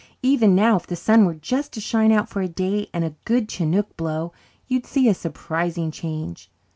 "Even now if the sun were just to shine out for a day and a good 'chinook' blow you'd see a surprising change.